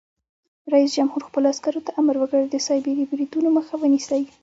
رئیس جمهور خپلو عسکرو ته امر وکړ؛ د سایبري بریدونو مخه ونیسئ!